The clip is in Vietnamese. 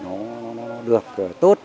nó được tốt